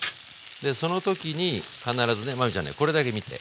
その時に必ずね真海ちゃんねこれだけ見て。